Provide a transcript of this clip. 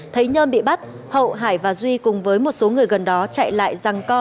thấy nhơn bị bắt hậu hải và duy cùng với một số người gần đó chạy lại răng co